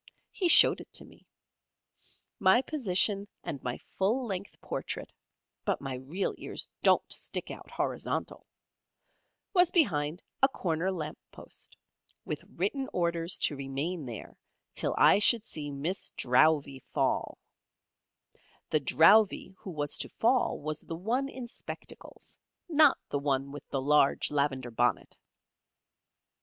He showed it to me. My position and my full length portrait (but my real ears don't stick out horizontal) was behind a corner lamp post, with written orders to remain there till I should see Miss Drowvey fall. The Drowvey who was to fall was the one in spectacles, not the one with the large lavender bonnet.